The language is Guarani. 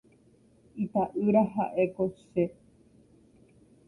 Ita'ýra ha'éko che.